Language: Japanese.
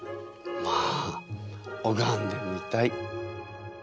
まあおがんでみたい！